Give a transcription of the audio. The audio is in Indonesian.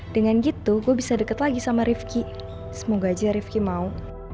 dengan gitu gue bisa deket lagi sama ripki semoga aja ripki mau